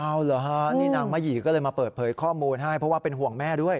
เอาเหรอฮะนี่นางมะหยี่ก็เลยมาเปิดเผยข้อมูลให้เพราะว่าเป็นห่วงแม่ด้วย